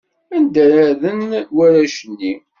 Anda ara rren warrac-nni?